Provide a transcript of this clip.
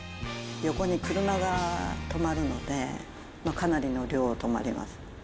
横に車が止まるので、かなりの量、止まります。